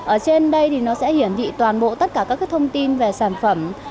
ở trên đây thì nó sẽ hiển thị toàn bộ tất cả các thông tin về sản phẩm